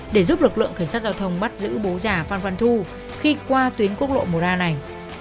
để giúp lực lượng cảnh sát giao thông bắt giữ bố già phan quang thu khi qua tuyến quốc lộ mora này